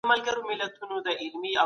تاسي ولي دغه کوڅې ته راغلئ؟